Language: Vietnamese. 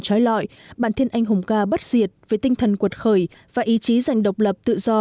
trái loại bản thiên anh hùng ca bất diệt với tinh thần quật khởi và ý chí dành độc lập tự do